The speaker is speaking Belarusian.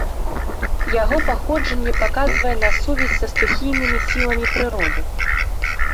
Яго паходжанне паказвае на сувязь са стыхійнымі сіламі прыроды.